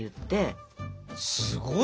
すごいね！